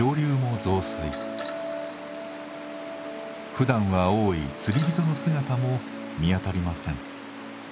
ふだんは多い釣り人の姿も見当たりません。